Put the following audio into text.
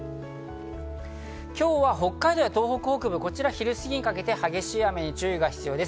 今日は北海道や東北北部、こちら昼過ぎにかけて激しい雨に注意が必要です。